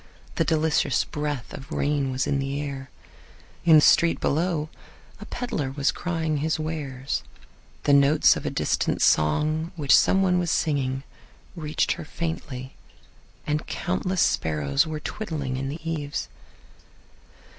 The delicious breath of rain was in the air. In the street below a peddler was crying his wares. The notes of a distant song which some one was singing reached her faintly, and countless sparrows were twittering in the eaves.